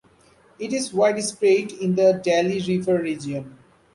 It is widespread in the Daly River region.